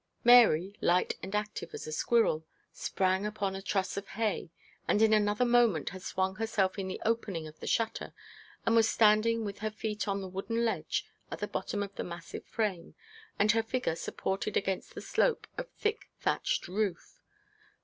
Mary, light and active as a squirrel, sprang upon a truss of hay, and in another moment had swung herself in the opening of the shutter, and was standing with her feet on the wooden ledge at the bottom of the massive frame, and her figure supported against the slope of thick thatched roof.